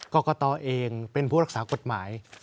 กรกตเองเป็นผู้รักษากฎหมาย